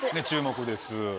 注目です。